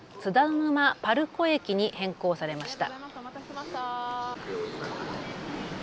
ぬまパルコ駅に変更されました。